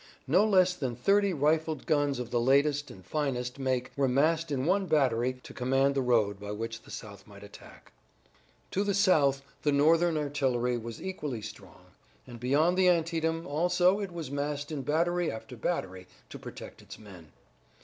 No less than thirty rifled guns of the latest and finest make were massed in one battery to command the road by which the South might attack. To the south the Northern artillery was equally strong, and beyond the Antietam also it was massed in battery after battery to protect its men.